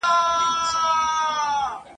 تر حمام وروسته مي ډېر ضروري کار دی !.